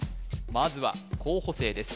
まずは候補生です